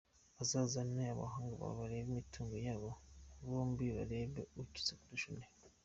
bazazane abahanga babare imitungo yabo bombi barebe ukize kurusha undi.